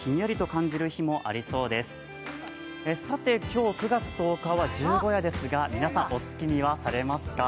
今日９月１０日は十五夜ですが皆さん、お月見はされますか？